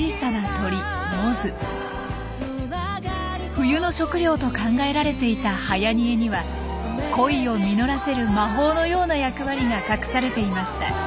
冬の食料と考えられていたはやにえには恋を実らせる魔法のような役割が隠されていました。